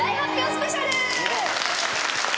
スペシャル！